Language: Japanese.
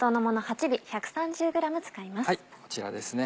こちらですね